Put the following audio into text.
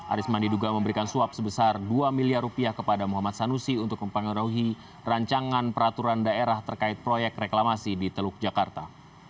arisman diduga memberikan suap sebesar dua miliar rupiah kepada muhammad sanusi untuk mempengaruhi rancangan peraturan daerah terkait proyek reklamasi di teluk jakarta